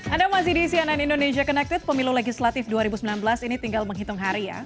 anda masih di cnn indonesia connected pemilu legislatif dua ribu sembilan belas ini tinggal menghitung hari ya